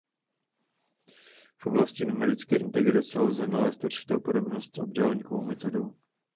V oblasti numerické integrace lze nalézt určitou podobnost s obdélníkovou metodou.